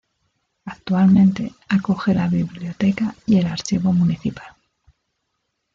Actualmente acoge la Biblioteca y el Archivo Municipal.